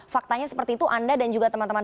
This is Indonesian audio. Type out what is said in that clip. faktanya seperti itu anda dan juga teman teman